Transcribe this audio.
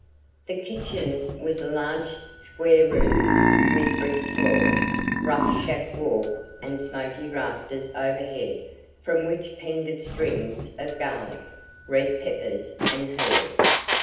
The kitchen was a large square room, with brick floor, rough shack walls and smoky rafters overhead from which pended strings of garlic, red peppers and herbs.